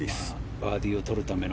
バーディーを取るための。